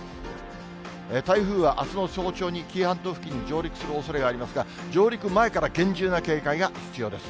台風はあすの早朝に紀伊半島付近に上陸するおそれがありますが、上陸前から厳重な警戒が必要です。